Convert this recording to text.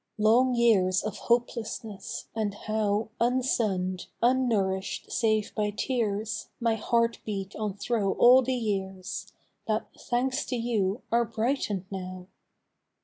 Long years of hopelessness, and how Unsunn'd, unnourish'd save by tears, My heart beat on thro' all the years That, thanks to you, are brighten'd now